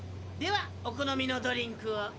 ではお好みのドリンクを。